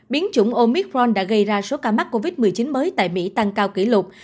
biến chủng omithron đã gây ra số ca mắc covid một mươi chín mới tại mỹ tăng cao kỷ lục